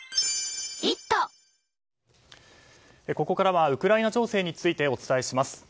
ここからはウクライナ情勢についてお伝えします。